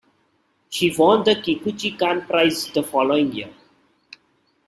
She won the Kikuchi Kan Prize the following year.